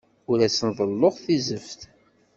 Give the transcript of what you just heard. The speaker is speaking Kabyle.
Ur asen-ḍelluɣ tizeft.